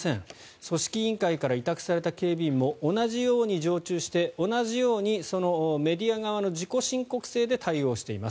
組織委員会から委託された警備員も同じように常駐して同じようにメディア側の自己申告制で対応しています。